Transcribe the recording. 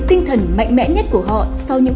tinh thần mạnh mẽ nhất của họ sau những